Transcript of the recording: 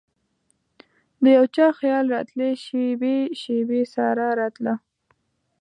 دیو چا خیال راتلي شیبې ،شیبې سارا راتلله